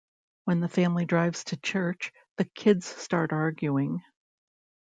When the family drives to church, the kids start arguing.